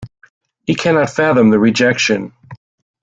He cannot fathom the rejection.